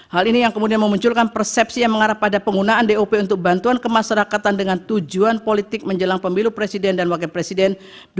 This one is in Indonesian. hal ini yang kemudian memunculkan persepsi yang mengarah pada penggunaan dop untuk bantuan kemasyarakatan dengan tujuan politik menjelang pemilu presiden dan wakil presiden dua ribu sembilan belas